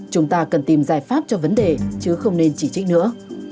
chúng ta cần tìm giải pháp cho vấn đề chứ không nên chỉ trích nữa